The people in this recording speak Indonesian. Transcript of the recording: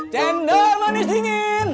cendol manis dingin